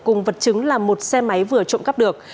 cùng vật chứng là một xe máy vừa trộm cắp được